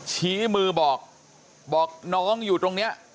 ชี้มือบอกบอกน้องอยู่ตรงนี้